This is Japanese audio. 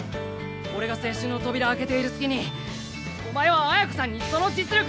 俺が青春の扉開けている隙にお前は綾子さんにその実力